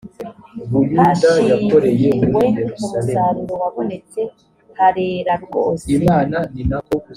hashingiwe ku musaruro wabonetse harera rwose